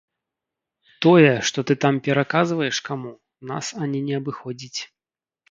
Тое, што ты там пераказваеш каму, нас ані не абыходзіць.